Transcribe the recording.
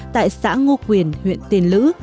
tại xã ngô quyền huyện tiền lữ